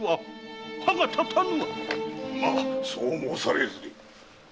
そう申されずに。